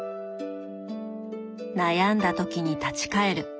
悩んだ時に立ち返る。